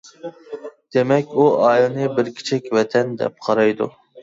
دېمەك، ئۇ ئائىلىنى بىر كىچىك ۋەتەن دەپ قارايدۇ.